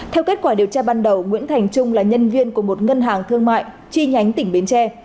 theo kết quả điều tra ban đầu nguyễn thành trung là nhân viên của một ngân hàng thương mại chi nhánh tỉnh bến tre